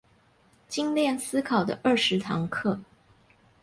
精鍊思考的二十堂課